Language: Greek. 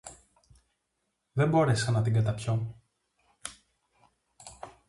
Δεν μπόρεσα να την καταπιώ